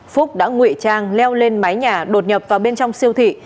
phúc đã ngụy trang leo lên mái nhà đột nhập vào bên trong siêu thị